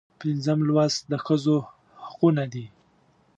پنځم لوست د ښځو حقونه دي.